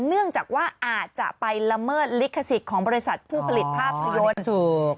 เนื่องจากว่าอาจจะไปละเมิดลิขสิทธิ์ของบริษัทผู้ผลิตภาพยนตร์ถูก